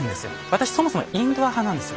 私そもそもインドア派なんですよ。